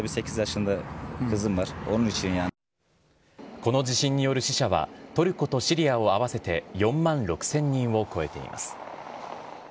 この地震による死者は、トルコとシリアを合わせて４万６０００人を超えています。